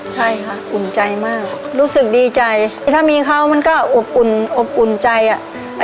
ใช่ค่ะอุ่นใจมากรู้สึกดีใจถ้ามีเขามันก็อบอุ่นอบอุ่นใจอ่ะ